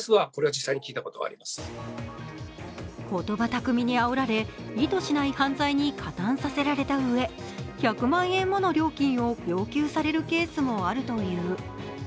言葉巧みにあおられ意図しない犯罪に加担させられたうえ１００万円もの料金を要求されるケースもあるという。